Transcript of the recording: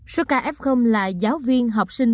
số ca f là giáo viên học sinh